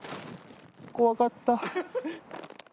怖かった。